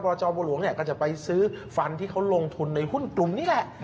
วัตรจอบุหรวงก็จะไปซื้อฟันที่เขาลงทุนในหุ้นกลุ่มนี้แหละ